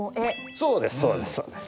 そうですそうです。